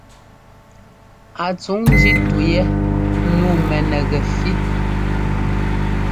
A tsuŋ ńjí tu yɛ. Nǔu mɛnɛgɛfí.